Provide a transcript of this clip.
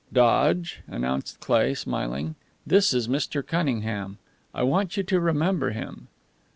"Dodge," announced Cleigh, smiling, "this is Mr. Cunningham. I want you to remember him."